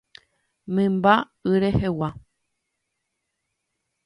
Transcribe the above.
Mymba y rehegua